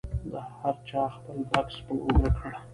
هر چا خپل بکس په اوږه کړ.